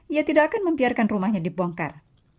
ia tidak akan membiarkan rumahnya dibongkar